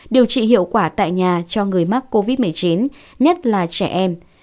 điều trị hiệu quả tại nhà cho người mắc covid một mươi chín nhất là trẻ em